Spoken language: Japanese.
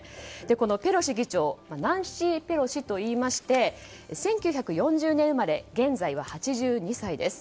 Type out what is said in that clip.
ペロシ議長ナンシー・ペロシといいまして１９４０年生まれ現在は８２歳です。